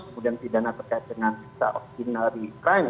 kemudian pidana terkait dengan se optimil di crime